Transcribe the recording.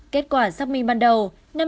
kết quả xác minh ban đầu